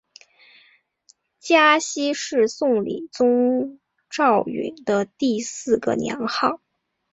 嘉熙是宋理宗赵昀的第四个年号。